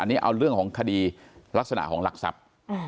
อันนี้เอาเรื่องของคดีลักษณะของหลักทรัพย์